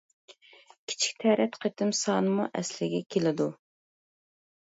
كىچىك تەرەت قېتىم سانىمۇ ئەسلىگە كېلىدۇ.